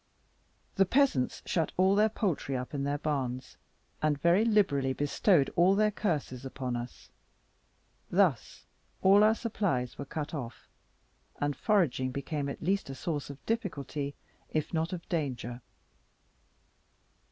The peasants shut all their poultry up in their barns, and very liberally bestowed all their curses upon us. Thus all our supplies were cut off, and foraging became at least a source of difficulty, if not of danger.